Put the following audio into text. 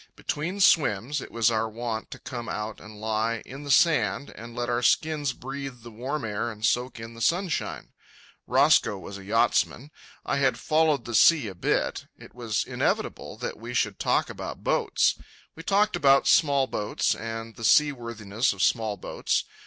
Between swims it was our wont to come out and lie in the sand and let our skins breathe the warm air and soak in the sunshine. Roscoe was a yachtsman. I had followed the sea a bit. It was inevitable that we should talk about boats. We talked about small boats, and the seaworthiness of small boats.